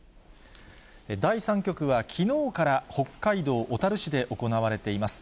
第３局は、きのうから北海道小樽市で行われています。